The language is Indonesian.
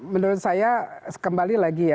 menurut saya kembali lagi ya